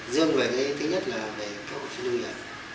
riêng về cái thứ nhất là về cơ hội sinh lưu hiểm